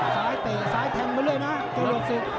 ซ้ายตีนซ้ายแทงไว้เลยนะจะดวนสุด